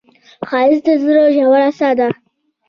ښایست د زړه ژور ساه ده